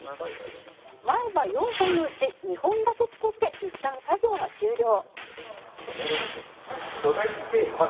「前歯４本のうち２本だけつけていったん作業は終了」